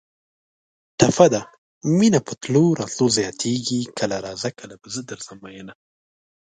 ټپه ده: مینه په تلو راتلو زیاتېږي کله راځه کله به زه درځم مینه